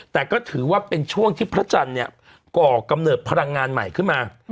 แต่ก็ถือว่าเป็นช่วงที่พระจันทร์เนี่ยก่อกำเนิดพลังงานใหม่ขึ้นมา